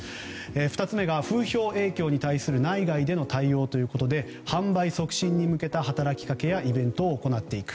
２つ目が風評被害に対する内外での対応ということで販売促進に向けた働き方やイベントを行っていく。